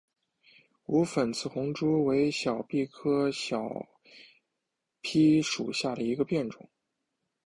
无粉刺红珠为小檗科小檗属下的一个变种。